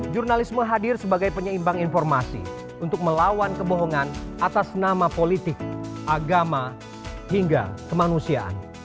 jurnalisme hadir sebagai penyeimbang informasi untuk melawan kebohongan atas nama politik agama hingga kemanusiaan